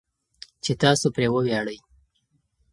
چې تاسو پرې وویاړئ.